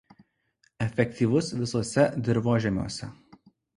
Efektyvus visuose dirvožemiuose.